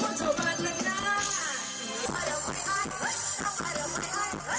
โอ้โหนี่อาเต็มใช่ไหมเนี่ย